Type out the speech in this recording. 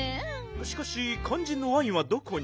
しかしかんじんのワインはどこに。